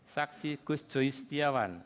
saksi gus joy setiawan